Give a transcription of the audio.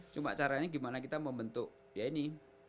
cuma caranya gimana kita membentuk ya ini